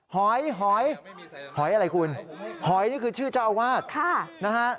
หอยหอยหอยอะไรคุณหอยนี่คือชื่อเจ้าอาวาสนะฮะ